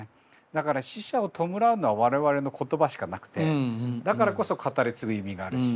だから死者を弔うのは我々の言葉しかなくてだからこそ語り継ぐ意味があるし。